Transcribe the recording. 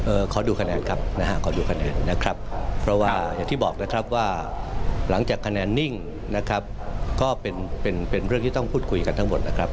ขอดูคะแนนครับนะฮะขอดูคะแนนนะครับเพราะว่าอย่างที่บอกนะครับว่าหลังจากคะแนนนิ่งนะครับก็เป็นเป็นเป็นเรื่องที่ต้องพูดคุยกันทั้งหมดนะครับ